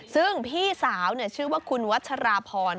ซึ่งพี่สาวชื่อว่าคุณวัชราพร